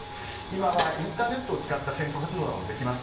今はインターネットを使った選挙活動などもできます。